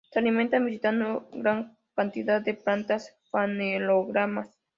Se alimentan visitando gran cantidad de plantas fanerógamas.